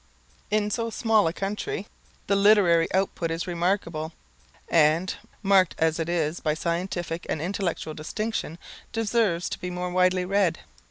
In so small a country the literary output is remarkable, and, marked as it is by scientific and intellectual distinction, deserves to be more widely read.